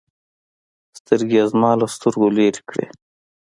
سترګې يې زما له سترګو لرې كړې.